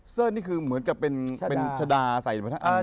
เสิร์ธนี่คือเหมือนกับเป็นชดาใส่อยู่บนทางนี้ไหม